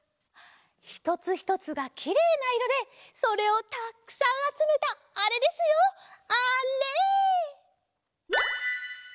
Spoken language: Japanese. ひとつひとつがきれいないろでそれをたっくさんあつめたあれですよあれ！